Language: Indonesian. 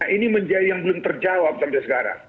ini menjadi yang belum terjawab sampai sekarang